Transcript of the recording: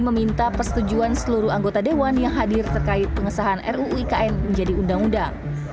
meminta persetujuan seluruh anggota dewan yang hadir terkait pengesahan ruu ikn menjadi undang undang